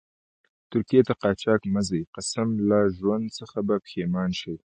ترکيې ته قاچاق مه ځئ، قسم لا ژوند څخه به پیښمانه شئ.